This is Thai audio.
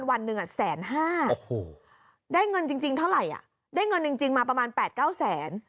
วันหนึ่งแสนห้าโอ้โหได้เงินจริงเท่าไหร่ได้เงินจริงมาประมาณ๘๙แสน